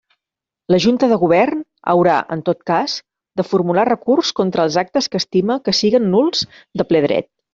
La Junta de Govern haurà, en tot cas, de formular recurs contra els actes que estime que siguen nuls de ple dret.